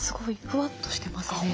ふわっとしてますね。